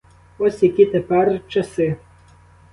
Ось які тепер часи.